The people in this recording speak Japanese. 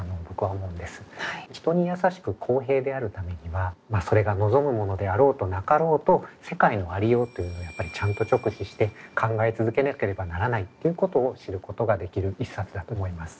人にやさしく公平であるためにはそれが望むものであろうとなかろうと世界のありようというのをやっぱりちゃんと直視して考え続けなければならないということを知ることができる一冊だと思います。